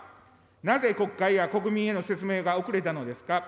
なぜ国会や国民への説明が遅れたのですか。